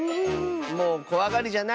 もうこわがりじゃないね。